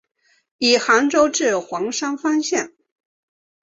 以杭州至黄山方向。